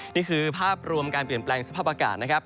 นี่คือภาพรวมการเปลี่ยนแปลงสภาพอากาศนะครับ